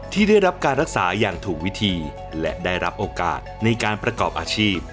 ที่ได้รับการรักษาอย่างถูกวิธีและได้รับโอกาสในการประกอบอาชีพ